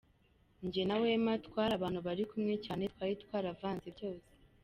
Njye na Wema twari abantu bari kumwe cyane, twari twaravanze byose.